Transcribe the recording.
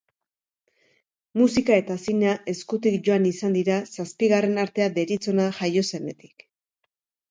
Musika eta zinea eskutik joan izan dira zazpigarren artea deritzona jaio zenetik.